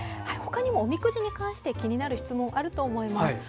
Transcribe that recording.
ほかにもおみくじに関して気になる質問があると思います。